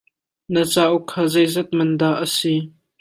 Na cauk kha zeizat man dah a si?